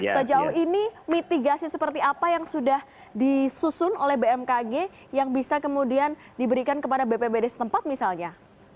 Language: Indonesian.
sejauh ini mitigasi seperti apa yang sudah disusun oleh bmkg yang bisa kemudian diberikan kepada bpbd setempat misalnya